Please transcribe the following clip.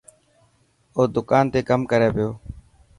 او دڪان تي ڪم ڪري پيو.